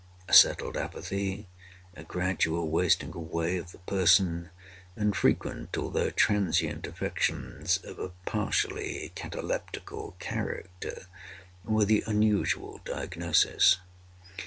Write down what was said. A settled apathy, a gradual wasting away of the person, and frequent although transient affections of a partially cataleptical character, were the unusual diagnosis.